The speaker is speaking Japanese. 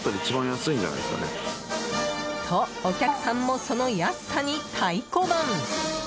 と、お客さんもその安さに太鼓判！